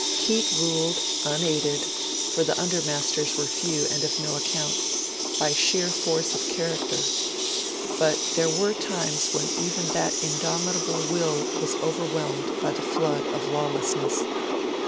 Keate ruled, unaided for the undermasters were few and of no account by sheer force of character. But there were times when even that indomitable will was overwhelmed by the flood of lawlessness.